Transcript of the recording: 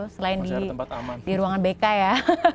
selain di ruangan bk ya